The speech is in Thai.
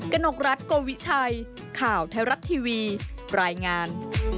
กนกรัฐโกวิชัยข่าวไทยรัฐทีวีรายงาน